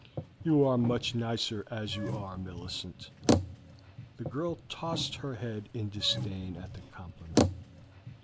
"You are much nicer as you are, Millicent." The girl tossed her head in disdain at the compliment.